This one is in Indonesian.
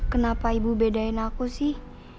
kenapa ibu bedain aku sih